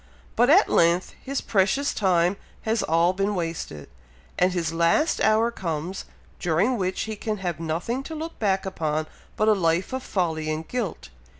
But at length his precious time has all been wasted, and his last hour comes, during which he can have nothing to look back upon but a life of folly and guilt.